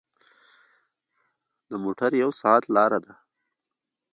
د موټر یو ساعت لاره ده.